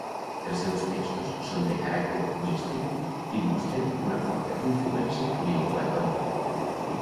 Els seus textos són de caràcter místic i mostren una forta influència neoplatònica.